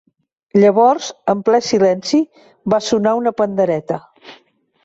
Llavors, en ple silenci, va sonar una pandereta.